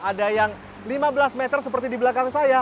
ada yang lima belas meter seperti di belakang saya